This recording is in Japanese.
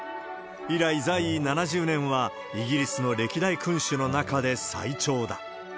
以来、在位７０年はイギリスの歴代君主の中で、最長だ。